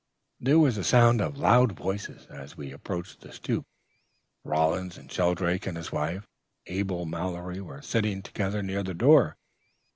"There was a sound of loud voices, as we approached the stoop. Hollins, Shelldrake and his wife, and Abel Mallory were sitting together near the door.